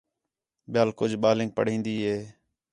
ٻِیال کُج ٻالینک پڑھین٘دی ہے